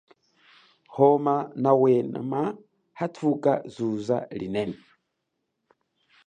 Homa nawema hathuka zuza linene.